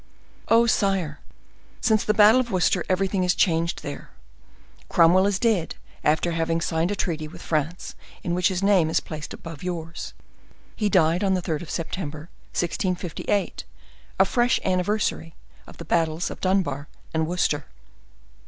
"Oh, sire! since the battle of Worcester, everything is changed there. Cromwell is dead, after having signed a treaty with France, in which his name is placed above yours. He died on the 3rd of September, 1658, a fresh anniversary of the battles of Dunbar and Worcester."